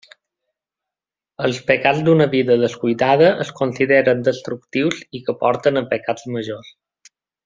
Els pecats d'una vida descuidada es consideren destructius i que porten a pecats majors.